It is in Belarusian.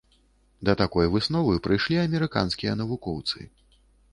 Да такой высновы прыйшлі амерыканскія навукоўцы.